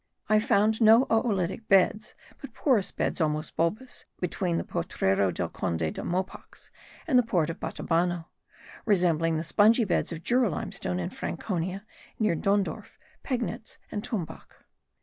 I found no oolitic beds, but porous beds almost bulbous, between the Potrero del Conde de Mopox, and the port of Batabano, resembling the spongy beds of Jura limestone in Franconia, near Dondorf, Pegnitz, and Tumbach.